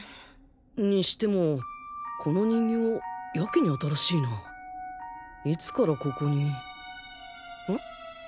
にしてもこの人形やけに新しいないつからここにん！？